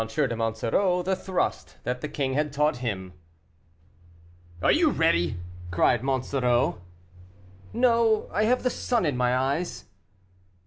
DE MONSOREAU THE THRUST THAT THE KING HAD TAUGHT HIM. "Are you ready?" cried Monsoreau. "No; I have the sun in my eyes."